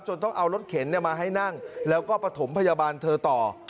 ต้องเอารถเข็นมาให้นั่งแล้วก็ประถมพยาบาลเธอต่อ